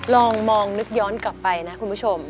ลองมองนึกย้อนกลับไปนะคุณผู้ชม